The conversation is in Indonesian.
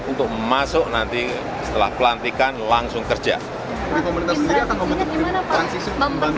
untuk masuk nanti setelah pelantikan langsung keseluruhan